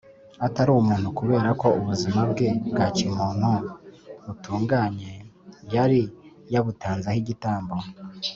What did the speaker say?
atari umuntu kubera ko ubuzima bwe bwa kimuntu butunganye yari yabutanzeho igitambo